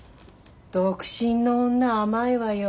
独身の女は甘いわよ。